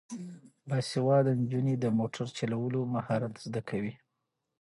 باسواده نجونې د موټر چلولو مهارت زده کوي.